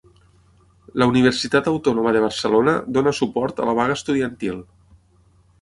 La Universitat Autònoma de Barcelona dona suport a la vaga estudiantil.